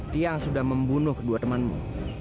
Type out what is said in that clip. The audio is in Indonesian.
tiang sudah membunuh kedua temanmu